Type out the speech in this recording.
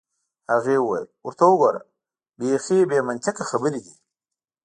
هغې وویل: ورته وګوره، بیخي بې منطقه خبرې دي.